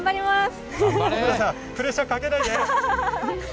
プレッシャーかけないで。